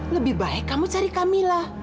lebih baik kamu cari kamilah